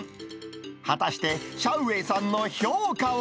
果たしてシャウ・ウェイさんの評価は？